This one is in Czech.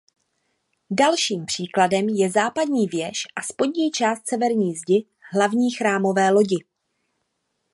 Dalším příkladem je západní věž a spodní část severní zdi hlavní chrámové lodi.